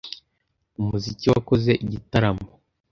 Umuziki wakoze igitaramo.